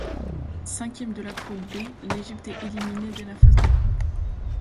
Cinquième de la Poule B, l'Égypte est éliminée dès la phase de groupe.